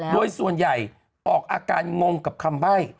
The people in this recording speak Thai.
โดยส่วนใหญ่ออกอาการงงกับคำใบ้